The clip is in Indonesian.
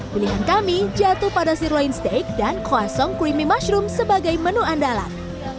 pilihan kami jatuh pada sirloin steak dan kwasong creamy mushroom sebagai menu andalan